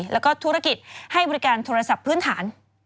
แล้วก็ธุรกิจให้บริการโทรศัพท์พื้นฐาน